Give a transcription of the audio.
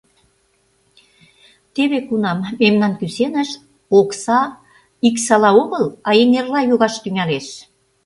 Теве кунам мемнан кӱсеныш окса иксала огыл, а эҥерла йогаш тӱҥалеш.